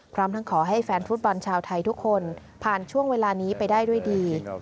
พร้อมทั้งขอให้แฟนฟุตบอลชาวไทยทุกคนผ่านช่วงเวลานี้ไปได้ด้วยดี